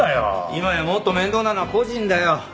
今やもっと面倒なのは個人だよ。